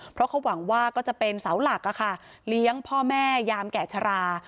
เพราะเขาหวังว่าก็จะเป็นเสาหลักเลี้ยงพ่อแม่ยามแก่ชะลา